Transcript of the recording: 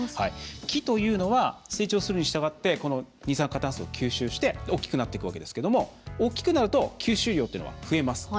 木というのは成長するにしたがって二酸化炭素を吸収して大きくなっていくわけですけども大きくなると吸収量っていうのは増えます。